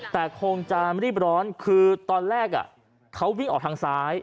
แต่คงจะรีบร้อนคือตอนแรกเขาวิ่งออกทางซ้าย